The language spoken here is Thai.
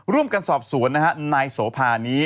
ร่วมกันสอบสวนนะฮะนายโสภานี้